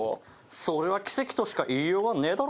それは奇跡としか言いようがねえだろ。